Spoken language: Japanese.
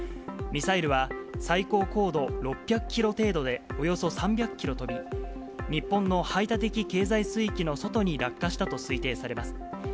ミサイルは最高高度６００キロ程度で、およそ３００キロ飛び、日本の排他的経済水域の外に落下したと推定されます。